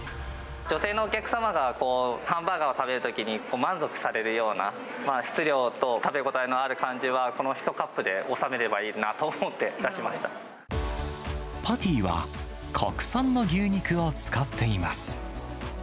女性のお客様がハンバーガーを食べるときに満足されるような、質量と食べ応えのある感じは、この１カップで収めればいいなとパティは国産の牛肉を使っています。